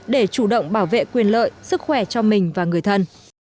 để chủ động bảo vệ quyền lợi sức khỏe cho mình và người thân